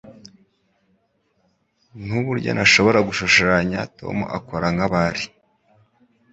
Nuburyo ntashobora gushushanya Tom akora nkabari.